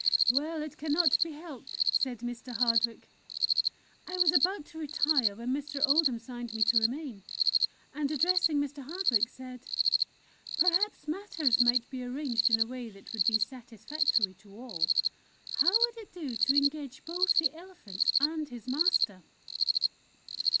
"'Well, it cannot be helped,' said Mr. Hardwick. "I was about to retire when Mr. Oldham signed to me to remain, and addressing Mr. Hardwick, said: "'Perhaps matters might be arranged in a way that would be satisfactory to all. How would it do to engage both the elephant and his master?"